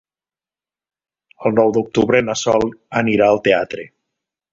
El nou d'octubre na Sol anirà al teatre.